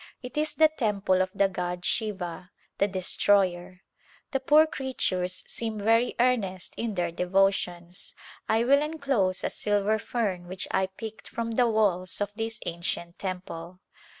It is the temple of the god Siva, the Destroyer. The poor creatures seem very earnest in their devotions. I will enclose a silver fern which I picked from the walls of this ancient temple.